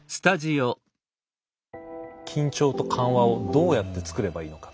緊張と緩和をどうやって作ればいいのか。